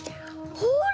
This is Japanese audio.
ほら！